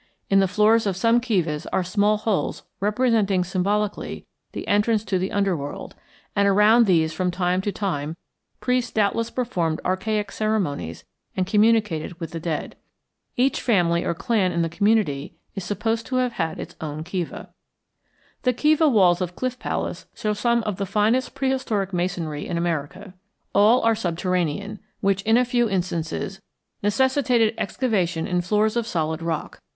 In the floors of some kivas are small holes representing symbolically the entrance to the underworld, and around these from time to time priests doubtless performed archaic ceremonies and communicated with the dead. Each family or clan in the community is supposed to have had its own kiva. The kiva walls of Cliff Palace show some of the finest prehistoric masonry in America. All are subterranean, which in a few instances necessitated excavation in floors of solid rock.